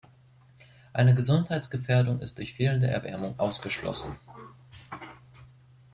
Eine Gesundheitsgefährdung ist durch die fehlende Erwärmung ausgeschlossen.